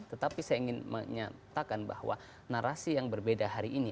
tetapi saya ingin menyatakan bahwa narasi yang berbeda hari ini